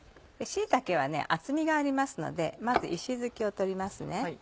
椎茸は厚みがありますのでまず石づきを取ります。